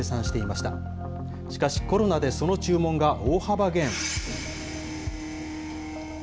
しかし、コロナでその注文が大幅減。